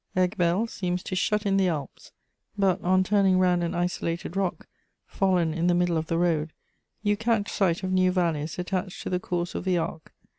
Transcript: Aiguebelle seems to shut in the Alps; but, on turning round an isolated rock, fallen in the middle of the road, you catch sight of new valleys attached to the course of the Arc.